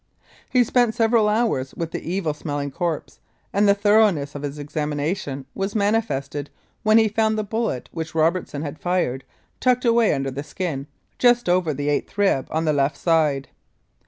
He spent several hours with the evil smelling corpse, and the thoroughness of his examination was manifested when he found the bullet which Robertson had fired tucked away under the skin just over the eighth rib on the left side.